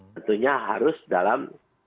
tentunya harus dalam